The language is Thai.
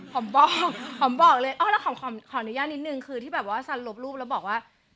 บอกหอมบอกเลยแล้วหอมขออนุญาตนิดนึงคือที่แบบว่าซันลบรูปแล้วบอกว่า